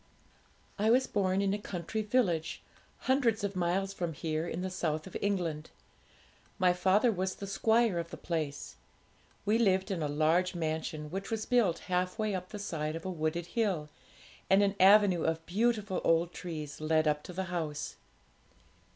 'I was born in a country village, hundreds of miles from here, in the south of England. My father was the squire of the place. We lived in a large mansion, which was built half way up the side of a wooded hill, and an avenue of beautiful old trees led up to the house.